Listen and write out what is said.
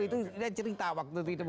itu cerita waktu itu